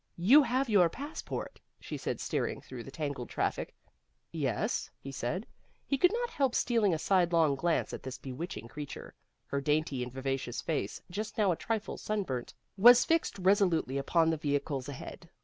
"You have your passport?" she said, steering through the tangled traffic. "Yes," he said. He could not help stealing a sidelong glance at this bewitching creature. Her dainty and vivacious face, just now a trifle sunburnt, was fixed resolutely upon the vehicles ahead.